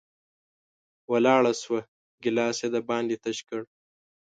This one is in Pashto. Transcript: ولاړه شوه، ګېلاس یې د باندې تش کړ